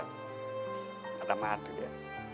อัตมาตย์เลย